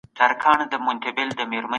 دا درې شیان درسره وساتئ.